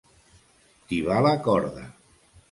Tibar la corda.